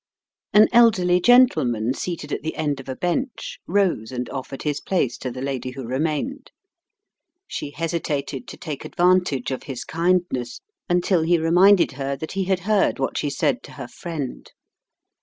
An elderly gentleman, seated at the end of a bench, rose and offered his place to the lady who remained. She hesitated to take advantage of his kindness, until he reminded her that he had heard what she said to her friend.